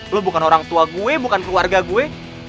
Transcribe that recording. lo bukan orang tua gue bukan keluarga gue